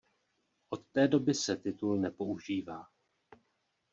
Od té doby se titul nepoužívá.